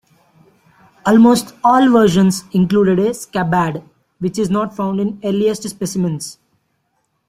Almost all versions included a scabbard, which is not found in earliest specimens.